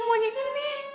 ibu melakukan semuanya ini